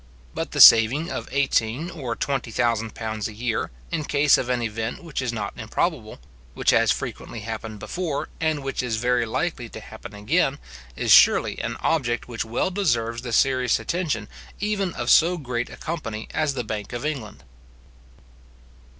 But the saving of eighteen or twenty thousand pounds a year, in case of an event which is not improbable, which has frequently happened before, and which is very likely to happen again, is surely an object which well deserves the serious attention, even of so great a company as the bank of England.